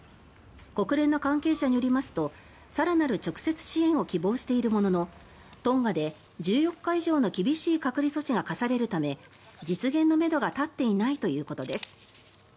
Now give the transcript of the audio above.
国連の関係者によりますと更なる直接支援を希望しているもののトンガで１４日以上の厳しい隔離措置が課されるため実現のめどが立っていないということです。